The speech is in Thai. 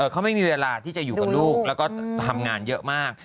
เขาไม่มีเวลาที่จะอยู่กับลูกแล้วก็ทำงานเยอะมาก